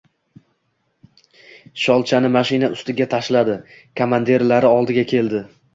Sholchani mashina ustiga tashladi. Komandirlari oldiga keldi.